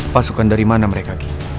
pasukan dari mana mereka